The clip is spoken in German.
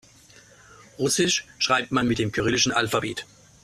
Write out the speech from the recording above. Russisch schreibt man mit dem kyrillischen Alphabet.